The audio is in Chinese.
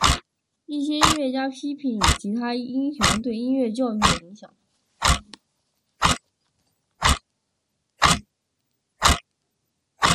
一些音乐家批评吉他英雄对音乐教育的影响。